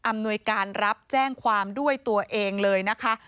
หน่วยการรับแจ้งความด้วยตัวเองเลยนะคะ